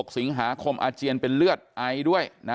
๖สิงหาคมอาเจียนเป็นเลือดไอด้วย